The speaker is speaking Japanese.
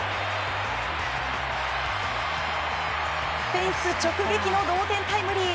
フェンス直撃の同点タイムリー。